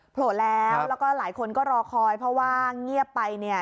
โผล่แล้วแล้วก็หลายคนก็รอคอยเพราะว่าเงียบไปเนี่ย